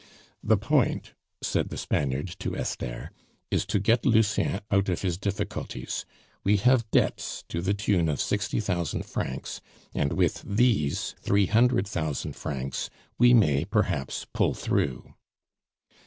"The point," said the Spaniard to Esther, "is to get Lucien out of his difficulties. We have debts to the tune of sixty thousand francs, and with these three hundred thousand francs we may perhaps pull through."